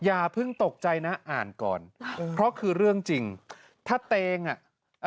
อย่าเพิ่งตกใจนะอ่านก่อนเพราะคือเรื่องจริงถ้าเตงอ่ะ